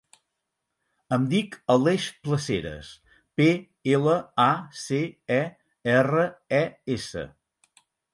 Em dic Aleix Placeres: pe, ela, a, ce, e, erra, e, essa.